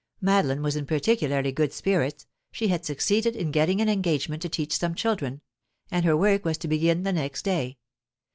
Madeline was in particularly good spirits; she had succeeded in getting an engagement to teach some children, and her work was to begin the next day.